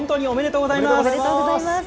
おめでとうございます。